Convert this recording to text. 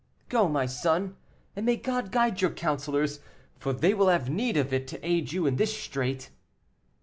"Go, my son; and may God guide your counselors, for they will have need of it to aid you in this strait."